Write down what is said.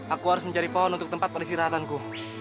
aku harus mencari pohon untuk tempat peristirahatanku